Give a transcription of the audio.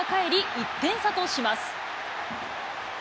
１点差とします。